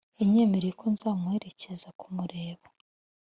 yanymereye ko nzamuherekeza kumureba